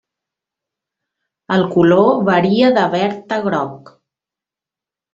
El color varia de verd a groc.